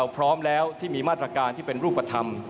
พร้อมแล้วที่มีมาตรการที่เป็นรูปธรรม